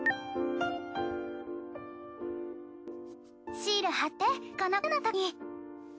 シール貼ってこの角のとこに。